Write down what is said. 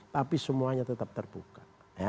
tapi semuanya tetap terbuka